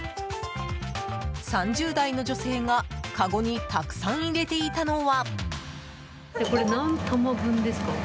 ３０代の女性がかごにたくさん入れていたのは。